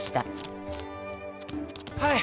はい。